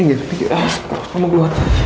inget inget awas kamu keluar